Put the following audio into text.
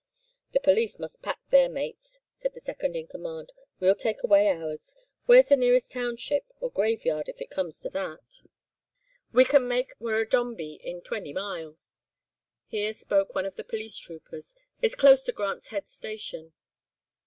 "'The police must pack their mates,' said the second in command, 'we'll take away ours. Where's the nearest township, or graveyard, if it comes to that?' "'We can make Warradombee in twenty mile'; here spoke one of the police troopers. 'It's close to Grant's head station.